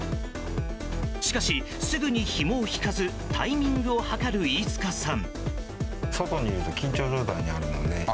しかし、すぐにひもを引かずタイミングを計る飯塚さん。